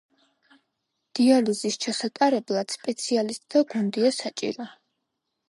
დიალიზის ჩასატარებლად სპეციალისტთა გუნდია საჭირო.